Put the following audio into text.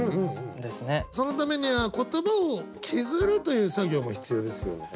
そのためには言葉を削るという作業も必要ですよね。